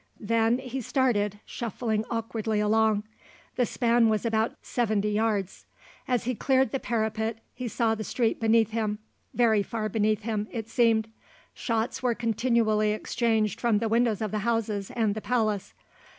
Then he started, shuffling awkwardly along. The span was about seventy yards. As he cleared the parapet he saw the street beneath him, very far beneath him, it seemed. Shots were continually exchanged from the windows of the houses and the palace.